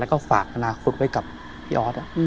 แล้วก็ฝากอนาคตไว้กับพี่ออส